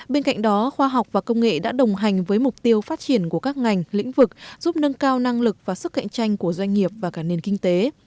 bên cạnh đó khoa học và công nghệ đã đồng hành với mục tiêu phát triển của các ngành lĩnh vực giúp nâng cao năng lực và sức cạnh tranh của doanh nghiệp và cả nền kinh tế